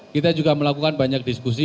kita juga melakukan banyak diskusi